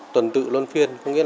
tuần tự luân phiên